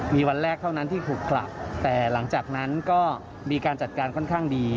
มีวันแรกเท่านั้นที่ถูกผลักแต่หลังจากนั้นก็มีการจัดการค่อนข้างดี